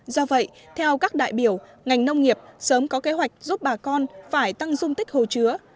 do vậy theo các đại biểu ngành nông nghiệp sớm có kế hoạch giúp bà con phải tăng dung tích hồ chứa